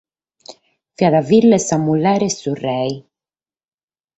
Fiat fìgiu de sa mugere de su re.